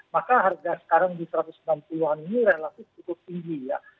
maka harga sekarang di satu ratus enam puluh an ini relatif cukup tinggi ya